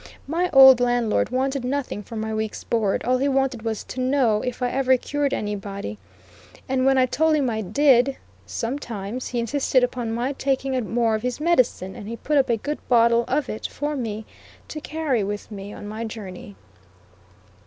My old landlord wanted nothing for my week's board; all he wanted was to know "if I ever cured anybody;" and when I told him I did, "sometimes" he insisted upon my taking more of his medicine, and he put up a good bottle of it for me to carry with me on my journey.